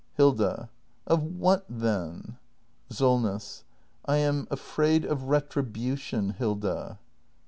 Hilda. Of what, then ? Solness. I am afraid of retribution, Hilda.